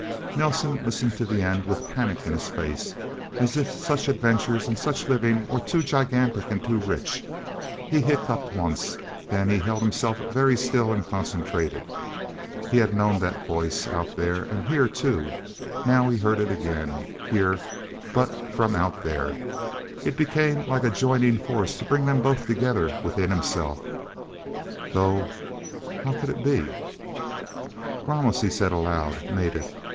Nelsen listened to the end, with panic in his face as if such adventures and such living were too gigantic and too rich... He hiccuped once. Then he held himself very still and concentrated. He had known that voice Out There and Here, too. Now, as he heard it again Here, but from Out There it became like a joining force to bring them both together within himself. Though how could it be...? "Ramos," he said aloud. "Made it...